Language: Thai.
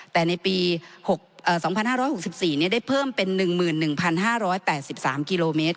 แต่ในปี๒๕๖๔ได้เพิ่มเป็น๑๑๕๘๓กิโลเมตร